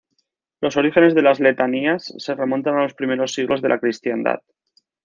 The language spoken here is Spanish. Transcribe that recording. Los orígenes de las letanías se remontan a los primeros siglos de la cristiandad.